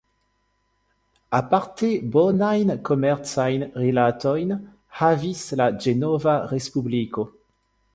Aparte bonajn komercajn rilatojn havis la Ĝenova Respubliko.